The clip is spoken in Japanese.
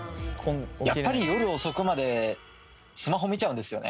やっぱり夜遅くまでスマホ見ちゃうんですよね。